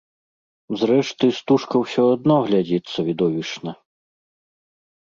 Зрэшты, стужка ўсё адно глядзіцца відовішчна.